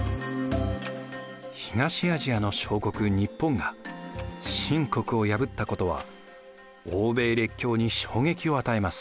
東アジアの小国日本が清国を破ったことは欧米列強に衝撃を与えます。